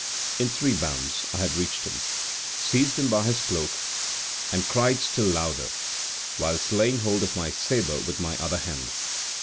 In three bounds I had reached him, seized him by his cloak, and cried still louder, whilst laying hold of my sabre with my other hand.